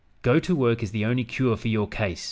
Go to work is the only cure for your case."